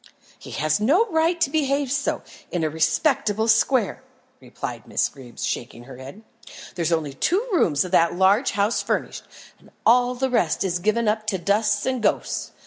"He has no right to behave so, in a respectable square," replied Miss Greeb, shaking her head. "There's only two rooms of that large house furnished, and all the rest is given up to dust and ghosts.